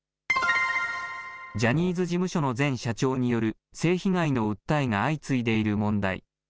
ジャニーズ事務所の前社長による性被害の訴えが相次いでいる問題。